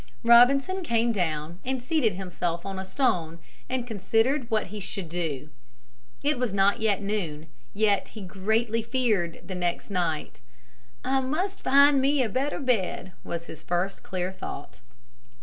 Robinson came down and seated himself on a stone and considered what he should do. It was not yet noon, yet he feared greatly the next night. "I must find me a better bed," was his first clear thought.